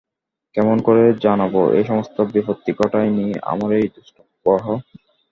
কেমন করে জানব, এই সমস্ত বিপত্তি ঘটায় নি আমারই দুষ্টগ্রহ?